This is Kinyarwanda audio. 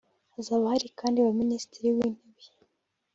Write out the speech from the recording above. Hazaba hari kandi ba Minisitiri w’Intebe